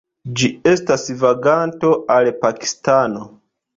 Ĝi estas vaganto al Pakistano.